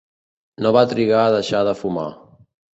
No va trigar a deixar de fumar.